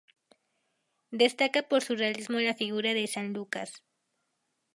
Destaca por su realismo la figura de San Lucas.